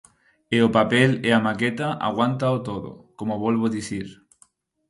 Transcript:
E o papel e a maqueta aguántao todo, como volvo dicir.